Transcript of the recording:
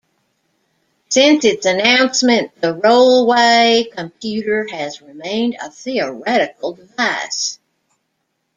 Since its announcement, the roll-away computer has remained a theoretical device.